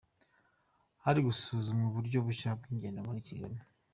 Hari gusuzumwa uburyo bushya bw’ingendo muri Kigali.